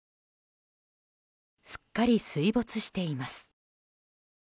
すっかり水没しています。